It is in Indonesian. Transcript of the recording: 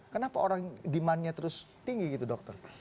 kenapa orang demandnya terus tinggi gitu dokter